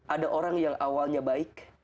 ada orang yang awalnya baik